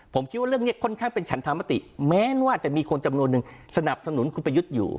ผมคิดว่าเรื่องนี้ค่อนข้างเป็นฉันธรรมติแม้ว่าจะมีคนจำนวนหนึ่งสนับสนุนคุณประยุทธ์อยู่